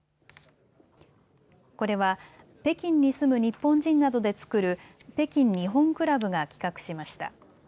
これは、北京に住む日本人などで作る北京日本倶楽部が企画しました。